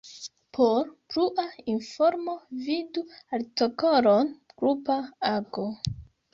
Por plua informo vidu artikolon grupa ago.